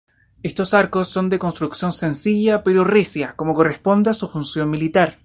Estos arcos son de construcción sencilla pero recia, como corresponde a su función militar.